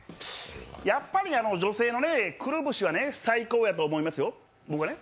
やっぱりね、女性のくるうぶしは最高やと思いますよ、僕はね。